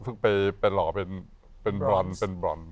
ซึ่งไปหล่อเป็นบรอน